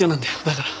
だから。